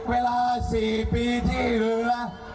คำถามคือที่พี่น้ำแขงเล่าเรื่องถือหุ้นเสือไอทีวี